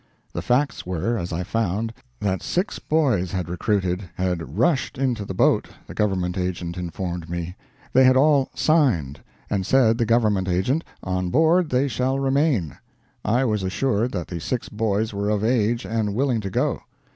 The facts were, as I found, that six boys had recruited, had rushed into the boat, the Government Agent informed me. They had all 'signed'; and, said the Government Agent, 'on board they shall remain.' I was assured that the six boys were of age and willing to go.